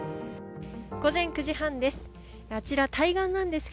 午前９時半です。